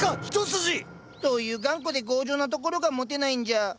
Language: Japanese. そういう頑固で強情なところがモテないんじゃ？